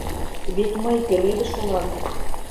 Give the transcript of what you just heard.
Вет мый пеледыш улам.